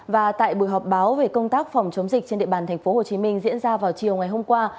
và tại buổi họp báo về công tác phòng chống dịch trên địa bàn tp hcm diễn ra vào chiều ngày hôm qua